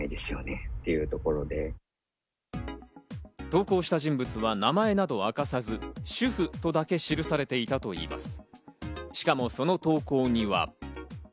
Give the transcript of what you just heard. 投稿した人物は名前などを明かさず、「主婦」とだけ記されていたといいます。